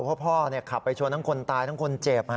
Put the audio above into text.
เพราะพ่อขับไปชนทั้งคนตายทั้งคนเจ็บ